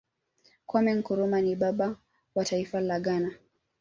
kwame nkrumah ni baba wa taifa la ghana